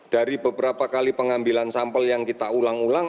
dari beberapa kali pengambilan sampel yang kita ulang ulang